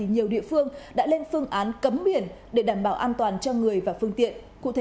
nhiều địa phương đã lên phương án cấm biển để đảm bảo an toàn cho người và phương tiện